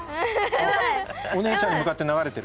お姉ちゃんに向かって流れてる？